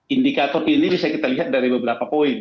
indikator ini bisa kita lihat dari beberapa poin